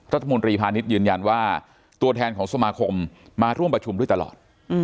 พาณิชย์ยืนยันว่าตัวแทนของสมาคมมาร่วมประชุมด้วยตลอด